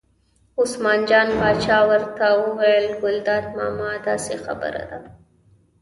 عثمان جان پاچا ورته وویل: ګلداد ماما داسې خبره ده.